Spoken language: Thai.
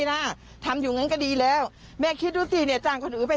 น่ะทำอยู่งั้นก็ดีแล้วแม่คิดดูสิเนี่ยจ้างคนอื่นไป